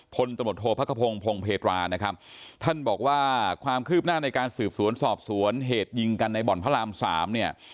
พลตำรวจโทษพระขพงศ์พงเพตรานะครับท่านบอกว่าความคืบหน้าในการสืบสวนสอบสวนเหตุยิงกันในบ่อนพระรามสามเนี่ย